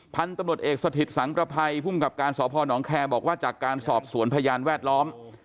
พันธุ์ตำรวจเอกสถิตสังประภัยภูมิกับการสพนแคร์บอกว่าจากการสอบสวนพยานแวดล้อม